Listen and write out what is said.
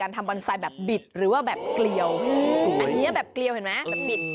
ทำบอนไซต์แบบบิดหรือว่าแบบเกลียวอันนี้แบบเกลียวเห็นไหมแบบบิด